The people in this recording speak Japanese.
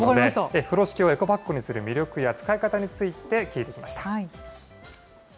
風呂敷をエコバッグにする魅力や使い方について聞いてきました。